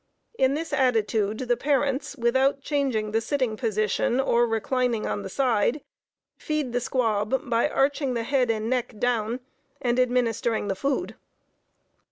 In this attitude, the parents, without changing the sitting position or reclining on the side, feed the squab by arching the head and neck down, and administering the food.